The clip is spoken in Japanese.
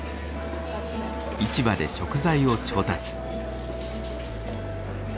市場で食材を調達。